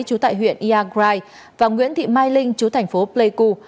chú tại huyện iagrai và nguyễn thị mai linh chú thành phố pleiku